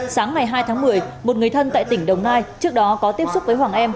sáng ngày hai tháng một mươi một người thân tại tỉnh đồng nai trước đó có tiếp xúc với hoàng em